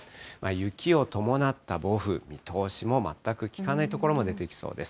雪を伴った暴風、見通しも全く利かない所も出てきそうです。